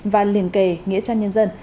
và liền kề nghĩa cho nhân dân